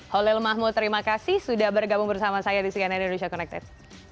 holil mahmud terima kasih sudah bergabung bersama saya di cnn indonesia connected